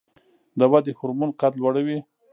د ودې هورمون قد لوړوي